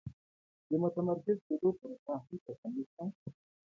د متمرکز کېدو پروسه هم ټکنۍ شوه.